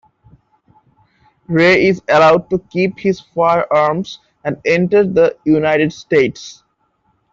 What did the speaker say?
Ray is allowed to keep his firearms and enter the United States.